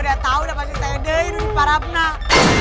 udah tau udah pasti kita adain di para penang